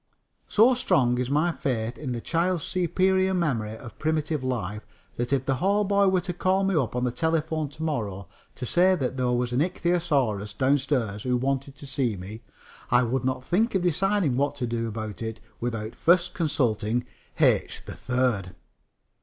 So strong is my faith in the child's superior memory of primitive life that if the hallboy were to call me up on the telephone to morrow to say that there was an ichthyosaurus downstairs who wanted to see me, I would not think of deciding what to do about it without first consulting H. 3rd.